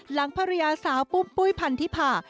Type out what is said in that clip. หลังภรรยาสาวปุ๊บปุ้ยพันธิพา